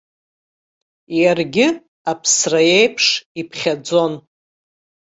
Иаргьы аԥсра еиԥш иԥхьаӡон.